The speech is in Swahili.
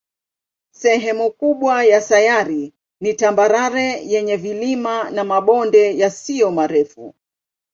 Sehemu kubwa ya sayari ni tambarare yenye vilima na mabonde yasiyo marefu.